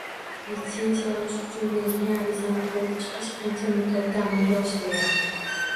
Litsenziya olish uchun berilgan arizani ko’rib chiqish qancha muddatda amalga oshiriladi?